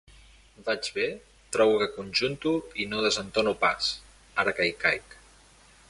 Vaig bé, trobo que conjunto i no desentono pas, ara que hi caic.